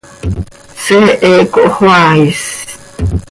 Seehe cohxoaa is.